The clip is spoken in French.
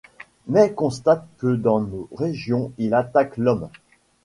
mais constate que dans nos régions il attaque l’homme.